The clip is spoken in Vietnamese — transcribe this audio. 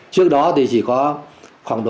trước đó thì chỉ có khoảng